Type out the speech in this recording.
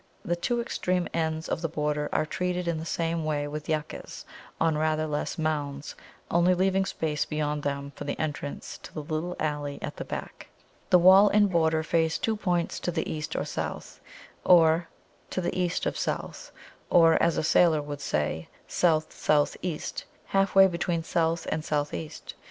The two extreme ends of the border are treated in the same way with Yuccas on rather lesser mounds, only leaving space beyond them for the entrance to the little alley at the back. [Illustration: A FLOWER BORDER IN JUNE.] The wall and border face two points to the east of south, or, as a sailor would say, south south east, half way between south and south east.